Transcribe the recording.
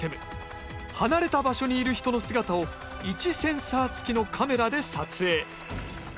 離れた場所にいる人の姿を位置センサー付きのカメラで撮影。